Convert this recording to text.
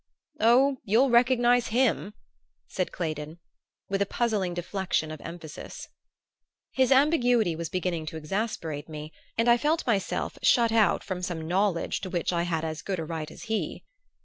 "Oh, you'll recognize him," said Claydon, with a puzzling deflection of emphasis. His ambiguity was beginning to exasperate me, and I felt myself shut out from some knowledge to which I had as good a right as he.